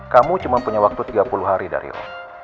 kamu cuma punya waktu tiga puluh hari dari oh